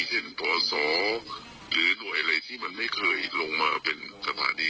พศหรือหน่วยอะไรที่มันไม่เคยลงมาเป็นสถานี